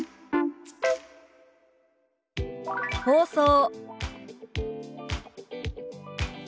「放送」。